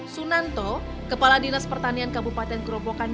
sunanto kepala dinas pertanian kabupaten gerobokan